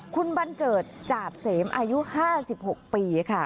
คุณบันเจิดจาบเสมอายุ๕๖ปีค่ะ